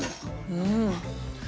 うん。